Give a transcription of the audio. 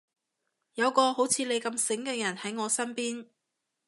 有個好似你咁醒嘅人喺我身邊